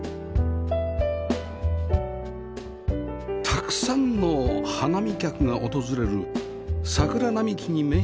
たくさんの花見客が訪れる桜並木に面した建物